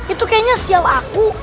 itu kayaknya sial aku